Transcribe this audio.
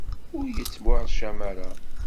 ur yettwaṛcem ara.